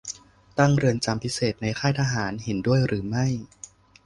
ตั้งเรือนจำพิเศษในค่ายทหาร เห็นด้วยหรือไม่ ?